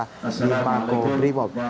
pemikiran ini diperiksa di mako primob